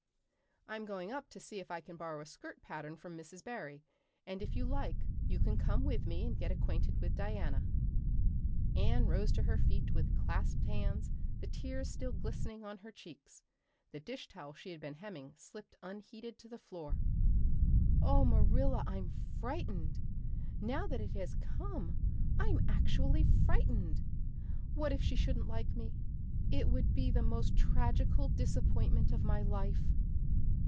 I'm going up to see if I can borrow a skirt pattern from Mrs. Barry, and if you like you can come with me and get acquainted with Diana." Anne rose to her feet, with clasped hands, the tears still glistening on her cheeks; the dish towel she had been hemming slipped unheeded to the floor. "Oh, Marilla, I'm frightened now that it has come I'm actually frightened. What if she shouldn't like me! It would be the most tragical disappointment of my life."